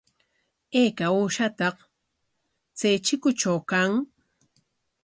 ¿Ayka uushataq chay chikutraw kan?